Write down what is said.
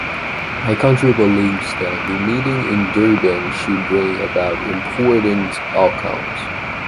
My country believes that the meeting in Durban should bring about important outcomes.